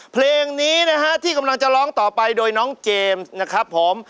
เพลงนี้นะฮะที่กำลังจะร้องต่อไปโดยน้องเจมส์นะครับผม